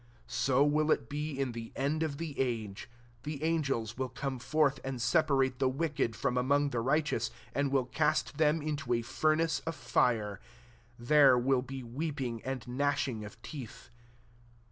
49 So will it be in the end of the age : the angels \Till come forth, and separate the wicked from among the righteous, 50 and will cast them into a furnace of fire : there will be weeping, and gnashing of teeth.